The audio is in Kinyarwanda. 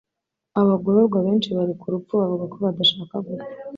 Abagororwa benshi bari ku rupfu bavuga ko badashaka gupfa